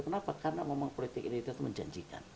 kenapa karena memang politik identitas itu menjanjikan